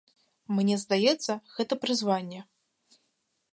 Мне здаецца, гэта прызванне.